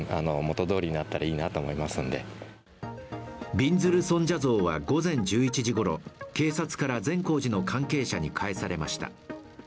びんずる尊者像は午前１１時ごろ、警察から善光寺の関係者へ返されました。